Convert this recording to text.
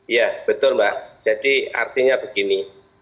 ya betul mbak jadi artinya begini